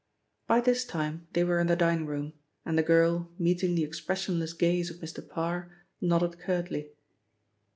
By this time they were in the dining room, and the girl, meeting the expressionless gaze of Mr. Parr, nodded curtly.